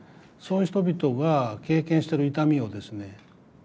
そういう人々が経験してる痛みをですね